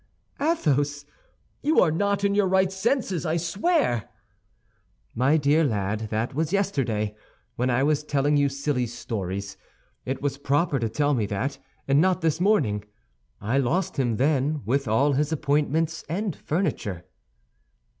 "Athos, you are not in your right senses, I swear." "My dear lad, that was yesterday, when I was telling you silly stories, it was proper to tell me that, and not this morning. I lost him then, with all his appointments and furniture."